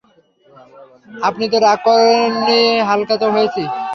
আপনি তো রাগ করেন নি হালকা তো হয়েছি।